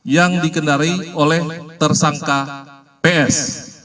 yang dikendari oleh tersangka ps